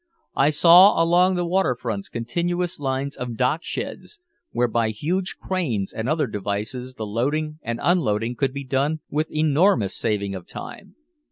I saw along the waterfronts continuous lines of docksheds where by huge cranes and other devices the loading and unloading could be done with enormous saving of time.